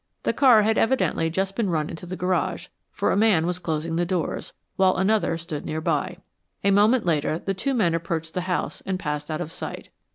The car had evidently just been run into the garage, for a man was closing the doors, while another stood nearby. A moment later, the two men approached the house and passed out of sight.